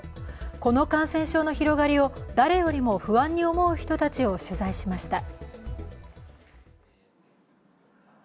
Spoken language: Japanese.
この感染症の広がりを誰よりも不安に思う人たちを取材しました。